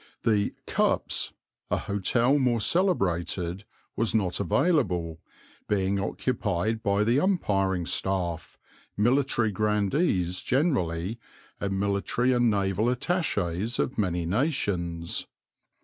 The "Cups," a hotel more celebrated, was not available, being occupied by the umpiring staff, military grandees generally, and military and naval attachés of many nations.